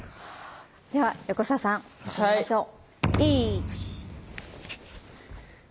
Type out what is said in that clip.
では横澤さんやってみましょう。